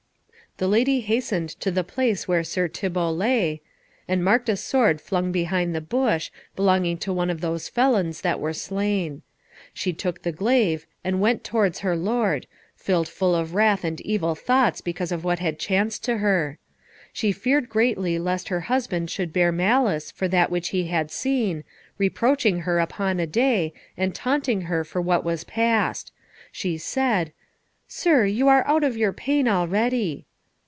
The lady hastened to the place where Sir Thibault lay, and marked a sword flung behind the bush, belonging to one of those felons that were slain. She took the glaive, and went towards her lord, filled full of wrath and evil thoughts because of what had chanced to her. She feared greatly lest her husband should bear malice for that which he had seen, reproaching her upon a day, and taunting her for what was past. She said, "Sir, you are out of your pain already."